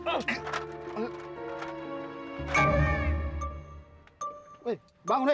eh bangun eh